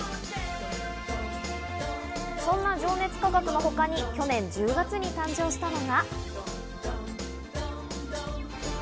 そんな情熱価格の他に去年１０月に誕生したのが。